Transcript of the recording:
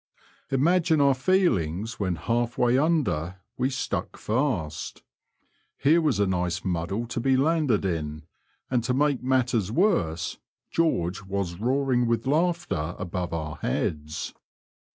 Imagine our feelings when half way under we stuck fast. Here was a nice muddle to be landed in, and to make matters worse, George was roaring with laughter above our heads.